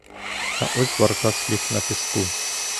Та ось баркас ліг на піску.